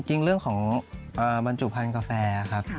จริงเรื่องของบรรจุพันธุ์กาแฟครับ